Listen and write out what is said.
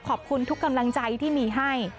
ขอบคุณทุกกำลังใจที่มีให้